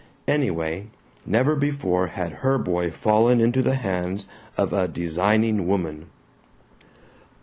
Anyway, never before had her boy fallen into the hands of a "designing woman."